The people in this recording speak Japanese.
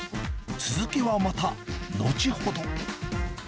続きはまた後ほど。